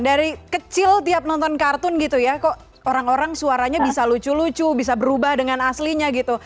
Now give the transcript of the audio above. dari kecil tiap nonton kartun gitu ya kok orang orang suaranya bisa lucu lucu bisa berubah dengan aslinya gitu